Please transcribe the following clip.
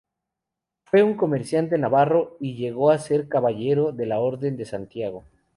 Fue un comerciante navarro, y llegó a ser caballero de la Orden de Santiago.